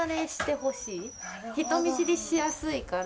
人見知りしやすいから。